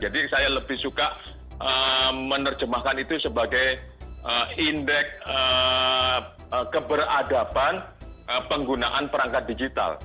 jadi saya lebih suka menerjemahkan itu sebagai indeks keberadaban penggunaan perangkat digital